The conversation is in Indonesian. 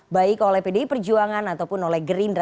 baik oleh pdi perjuangan ataupun oleh gerindra